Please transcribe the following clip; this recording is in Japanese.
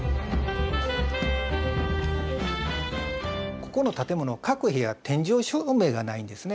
ここの建物各部屋天井照明がないんですね。